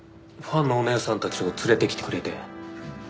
ファンのおねえさんたちを連れてきてくれて。